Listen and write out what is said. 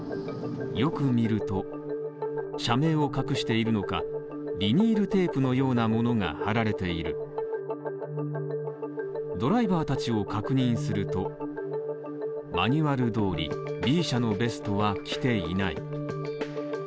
よく見ると社名を隠しているのか、ビニールテープのようなものが貼られているドライバーたちを確認するとマニュアル通りＢ社のベストはきていない。